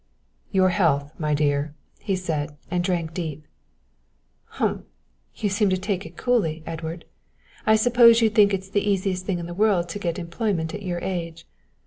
"Your health, my dear," he said, and drank deep. "Umph! you seem to take it coolly, Edward; I suppose you think it's the easiest thing in the world to get employment at your age.